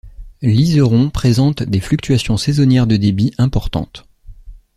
L'Yzeron présente des fluctuations saisonnières de débit importantes.